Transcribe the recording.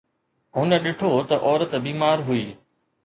هن ڏٺو ته عورت بيمار هئي